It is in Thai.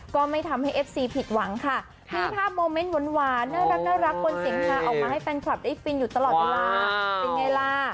ก็ไม่ทำให้เอฟซีผิดหวังค่ะมีภาพโมเมนต์หวานน่ารักบนเสียงฮาออกมาให้แฟนคลับได้ฟินอยู่ตลอดเวลาเป็นไงล่ะ